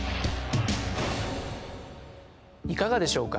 いかがでしょうか。